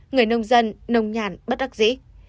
người nông dân nông nhàn bất đắc dĩ